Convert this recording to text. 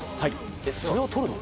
え、それをとるの？